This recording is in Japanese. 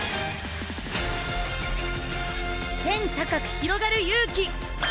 天高くひろがる勇気！